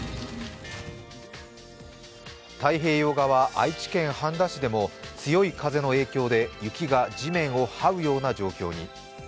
太平洋側、愛知県半田市でも強い風の影響で雪が地面をはうような状況に。